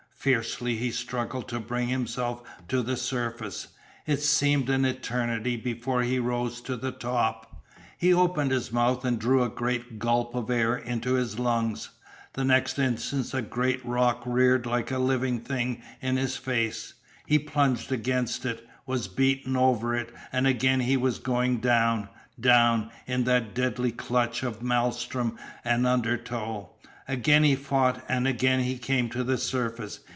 Fiercely he struggled to bring himself to the surface. It seemed an eternity before he rose to the top. He opened his mouth and drew a great gulp of air into his lungs. The next instant a great rock reared like a living thing in his face; he plunged against it, was beaten over it, and again he was going down down in that deadly clutch of maelstrom and undertow. Again he fought, and again he came to the surface.